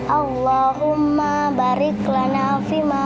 allahumma barik lanafima